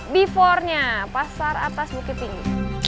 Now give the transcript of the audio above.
beforenya pasar atas bukit tinggi